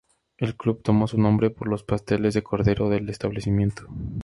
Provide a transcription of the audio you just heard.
El club tomó su nombre por los pasteles de cordero del establecimiento.